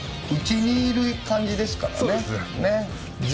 うちにいる感じですからね。